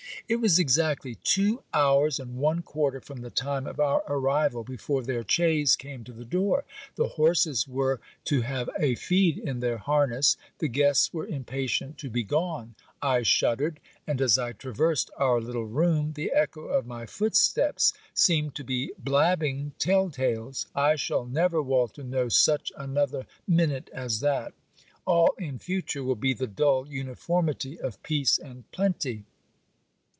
It was exactly two hours and one quarter from the time of our arrival, before their chaise came to the door. The horses were to have a feed in their harness; the guests were impatient to be gone. I shuddered: and, as I traversed our little room, the echo of my footsteps seemed to be blabbing tell tales. I shall never, Walter, know such another minute as that. All in future will be the dull uniformity of peace and plenty.